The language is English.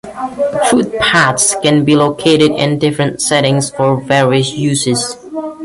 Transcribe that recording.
Footpaths can be located in different settings for various uses.